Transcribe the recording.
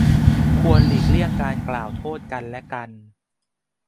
ควรหลีกเลี่ยงการกล่าวโทษกันและกัน